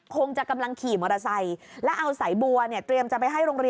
คงจะกำลังขี่มอเตอร์ไซค์แล้วเอาสายบัวเนี่ยเตรียมจะไปให้โรงเรียน